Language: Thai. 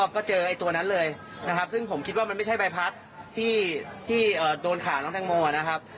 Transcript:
ก็เจอไอ้ตัวนั้นเลยนะครับซึ่งผมคิดว่ามันไม่ใช่ใบพัดที่โดนขาน้องแตงโมนะครับ